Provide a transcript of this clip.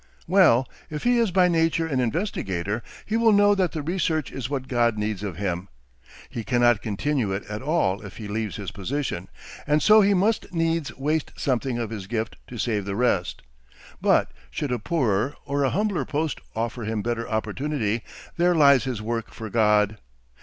Well, if he is by nature an investigator he will know that the research is what God needs of him. He cannot continue it at all if he leaves his position, and so he must needs waste something of his gift to save the rest. But should a poorer or a humbler post offer him better opportunity, there lies his work for God.